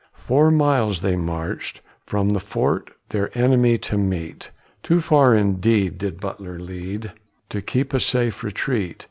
Four miles they marchèd from the Fort Their enemy to meet, Too far indeed did Butler lead, To keep a safe retreat.